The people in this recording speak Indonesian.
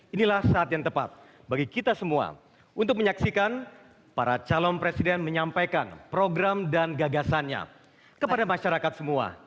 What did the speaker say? inilah saat yang tepat bagi kita semua untuk menyaksikan para calon presiden menyampaikan program dan gagasannya kepada masyarakat semua